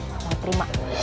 kamu mau terima ini